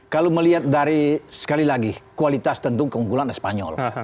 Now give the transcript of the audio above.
kalau melihat dari sekali lagi kualitas tentu keunggulan spanyol